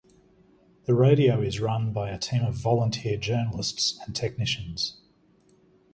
The radio is run by a team of volunteer journalists and technicians.